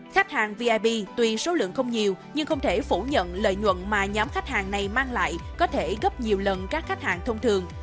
khách hàng vip tuy số lượng không nhiều nhưng không thể phủ nhận lợi nhuận mà nhóm khách hàng này mang lại có thể gấp nhiều lần các khách hàng thông thường